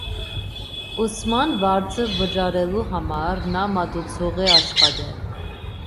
Ուսման վարձը վճարելու համար նա մատուցող է աշխատել։